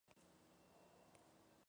Renegar es equivalente a abjurar.